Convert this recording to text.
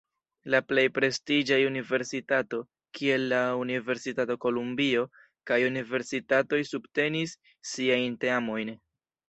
La plej prestiĝaj universitato, kiel la Universitato Kolumbio, kaj universitatoj subtenis siajn teamojn.